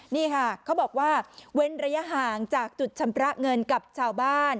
นี่ค่ะเขาบอกว่าเว้นระยะห่างจากจุดชำระเงินกับชาวบ้าน